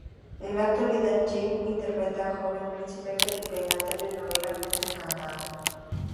En la actualidad, Jayme interpreta el joven "Príncipe Felipe" en la telenovela "Cuento encantado".